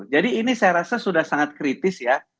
jadi ini saya rasa sudah sangat kritis ya